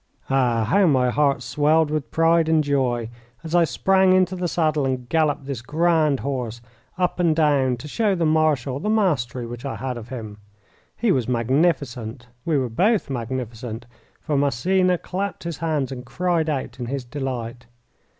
Ah, how my heart swelled with pride and joy as I sprang into the saddle and galloped this grand horse up and down to show the Marshal the mastery which I had of him! He was magnificent we were both magnificent, for Massena clapped his hands and cried out in his delight.